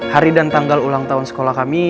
hari dan tanggal ulang tahun sekolah kami